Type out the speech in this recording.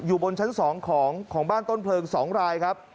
บนชั้น๒ของบ้านต้นเพลิง๒รายครับ